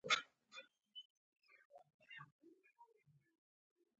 هره مرستې ته باید حساب ورکړل شي.